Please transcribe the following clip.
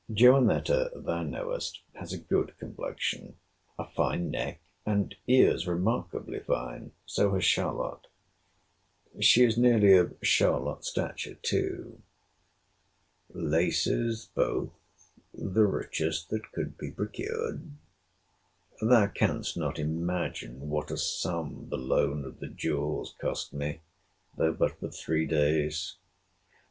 Johanetta, thou knowest, has a good complexion, a fine neck, and ears remarkably fine—so has Charlotte. She is nearly of Charlotte's stature too. Laces both, the richest that could be procured. Thou canst not imagine what a sum the loan of the jewels cost me, though but for three days.